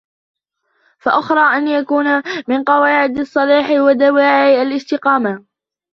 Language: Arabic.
فَأَحْرَى أَنْ يَكُونَ مِنْ قَوَاعِدِ الصَّلَاحِ وَدَوَاعِي الِاسْتِقَامَةِ